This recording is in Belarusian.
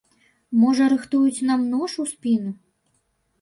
Можа рыхтуюць нам нож у спіну?